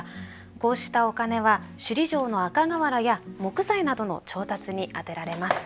こうしたお金は首里城の赤瓦や木材などの調達に充てられます。